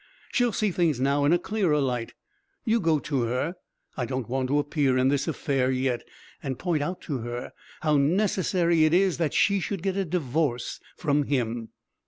She'll see things now in a clearer light. You go to her I don't want to appear in this affair yet and point out to her how necessary it is that she should get a divorce from him...."